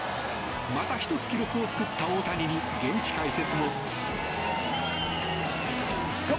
また１つ記録を作った大谷に現地解説も。